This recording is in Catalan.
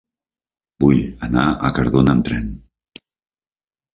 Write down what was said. Vull anar a Cardona amb tren.